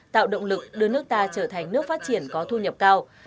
tạo động lực đưa nước ta trở thành nước phát triển có thu nhập cao